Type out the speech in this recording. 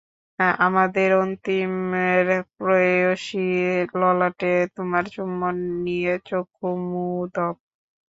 আমার অন্তিমের প্রেয়সী, ললাটে তোমার চুম্বন নিয়ে চক্ষু মুদব।